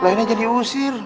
lahirnya jadi usir